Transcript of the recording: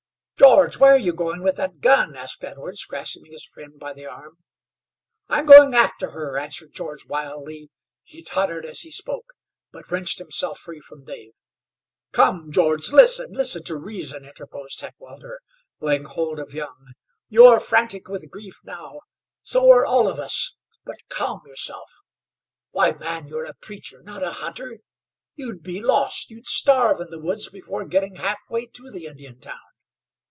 "George, where are you going with that gun?" asked Edwards, grasping his friend by the arm. "I'm going after her," answered George wildly. He tottered as he spoke, but wrenched himself free from Dave. "Come, George, listen, listen to reason," interposed Heckewelder, laying hold of Young. "You are frantic with grief now. So are all of us. But calm yourself. Why, man, you're a preacher, not a hunter. You'd be lost, you'd starve in the woods before getting half way to the Indian town.